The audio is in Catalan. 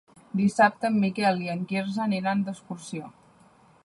Dissabte en Miquel i en Quirze aniran d'excursió.